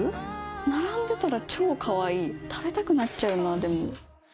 並んでたら超かわいい食べたくなっちゃうなでも。